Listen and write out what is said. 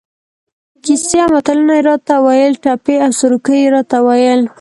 کیسې او متلونه یې را ته ویل، ټپې او سروکي یې را ته ویل.